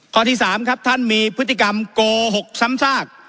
ข้อที่๓ครับท่านมีพฤติกรรมโกหกซ้ำซาก